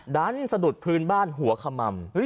ดันสะดุดพื้นบ้านหัวขม่ำ